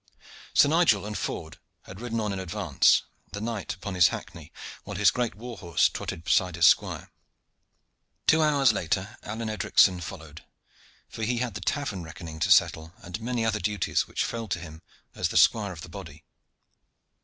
Sir Nigel and Ford had ridden on in advance, the knight upon his hackney, while his great war horse trotted beside his squire. Two hours later Alleyne Edricson followed; for he had the tavern reckoning to settle, and many other duties which fell to him as squire of the body.